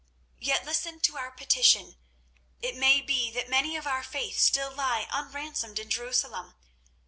Yet listen to our petition. It may be that many of our faith still lie unransomed in Jerusalem.